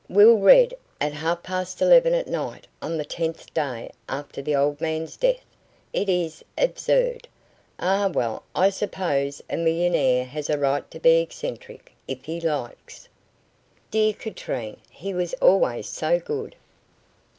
Will read at half past eleven at night on the tenth day after the old man's death. It is absurd. Ah, well, I suppose a millionaire has a right to be eccentric, if he likes." "Dear Katrine, he was always so good."